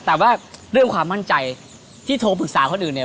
แต่ว่าเรื่องความมั่นใจที่โทรปรึกษาคนอื่นเนี่ย